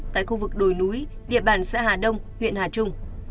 tại khu vực đồi núi địa bàn xã hà đông huyện hà trung